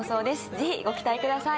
ぜひご期待ください